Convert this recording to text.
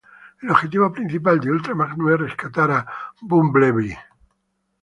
El objetivo principal de Ultra Magnus es rescatar a Bumblebee.